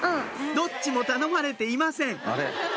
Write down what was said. どっちも頼まれていません